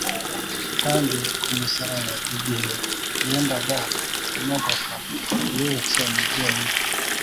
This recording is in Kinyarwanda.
kandi ku musaraba igihe yendaga kunogoka, yibutse umubyeyi we.